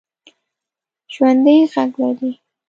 ژوندي غږ لري